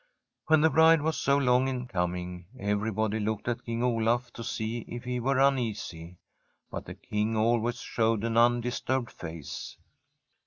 When the bride was so long in coming, every body looked at King Olaf to see if he were uneasy. But the King always showed an undisturbed face.